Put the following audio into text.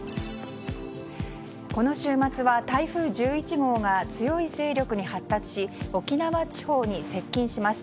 この週末は台風１１号が強い勢力に発達し沖縄地方に接近します。